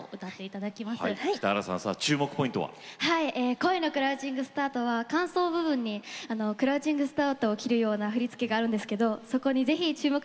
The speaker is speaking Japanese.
「恋のクラウチングスタート」は間奏部分にクラウチングスタートを切るような振り付けがあるんですけどそこに是非注目して頂きたいです。